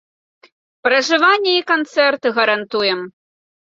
Пражыванне і канцэрт гарантуем!